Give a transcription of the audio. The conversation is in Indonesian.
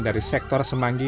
dari sektor semanggi